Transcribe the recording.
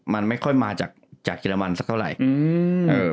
มันไม่ค่อยมาจากเยอรมันสักเท่าไหร่